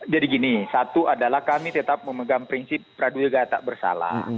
jadi gini satu adalah kami tetap memegang prinsip praduyegat tak bersalah